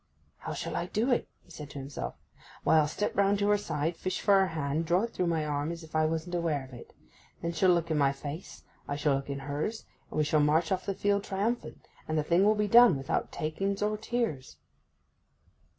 'How shall I do it?' he said to himself. 'Why, I'll step round to her side, fish for her hand, draw it through my arm as if I wasn't aware of it. Then she'll look in my face, I shall look in hers, and we shall march off the field triumphant, and the thing will be done without takings or tears.